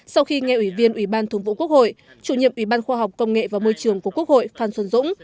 sau khi nghe ủy viên ủy ban thường vụ quốc hội chủ nhiệm ủy ban khoa học công nghệ và môi trường của quốc hội phan xuân dũng